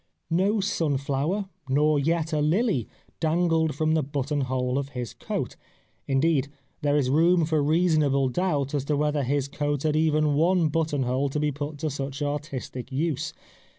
No sun flower, nor yet a lily, dangled from the button hole of his coat ; indeed, there is room for reasonable doubt as to whether his coat had even one button hole to be put to such artistic use.